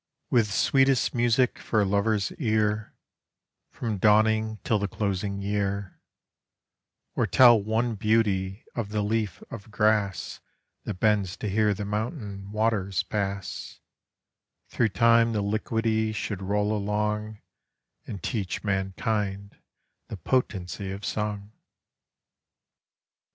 With sweetest music for a lover's ear, From dawning till the closing year, Or tell one beauty of the leaf of grass That bends to hear the mountain waters pass; Thro' time the liquidy should roll along And teach mankind the potency of song.